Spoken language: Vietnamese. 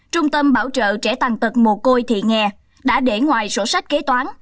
trung tâm bảo trợ trẻ tàn tật mồ côi thị nghè đã để ngoài sổ sách kế toán